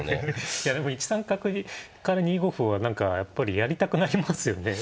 いやでも１三角から２五歩は何かやっぱりやりたくなりますよね。